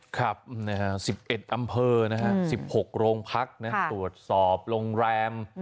ครับสิบเอ็ดอำเภอสิบหกโรงพักตรวจสอบโรงแรม